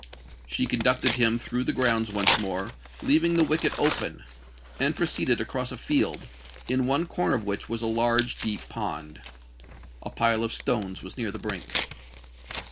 She conducted him through the grounds once more, leaving the wicket open—and proceeded across a field, in one corner of which was a large deep pond. A pile of stones was near the brink.